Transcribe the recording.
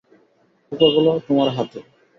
পোকাগুলো তোমার হাতে।